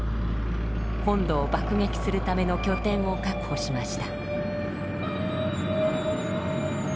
本土を爆撃するための拠点を確保しました。